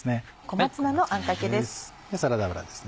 小松菜のあんかけです。